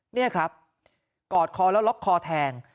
นี่ครับกอดคอแล้วล็อกคอแทง